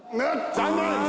残念！